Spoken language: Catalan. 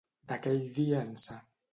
D'aquell dia ençà.